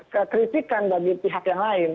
kekritikan bagi pihak yang lain